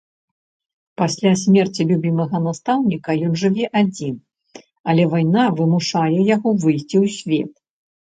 Пасля смерці любімага настаўніка ён жыве адзін, але вайна вымушае яго выйсці ў свет.